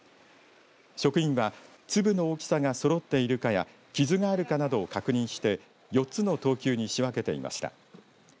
職員は粒の大きさがそろっているかや傷があるかなどを確認して４つの等級に仕分けていました。